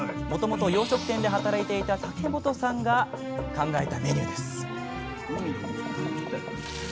もともと洋食店で働いていた嵩本さんが考えたメニューです